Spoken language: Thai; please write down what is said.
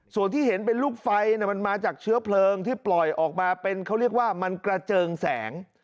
ส่วนที่เห็นเป็นลูกไฟมันมาจากเชื้อเพลิงที่ปล่อยออกมาเป็นเขาเรียกว่ามันกระเจิงแสง